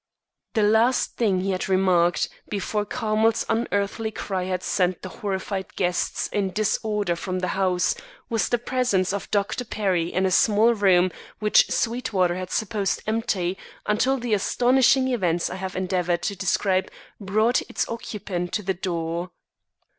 The last thing he had remarked, before Carmel's unearthly cry had sent the horrified guests in disorder from the house, was the presence of Dr. Perry in a small room which Sweetwater had supposed empty, until the astonishing events I have endeavoured to describe brought its occupant to the door.